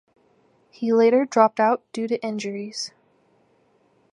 He later dropped out due to injuries.